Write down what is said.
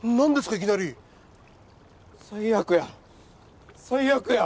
いきなり最悪や最悪や！